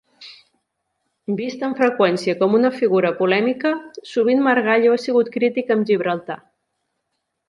Vist amb freqüència com una figura polèmica, sovint Margallo ha sigut crític amb Gibraltar.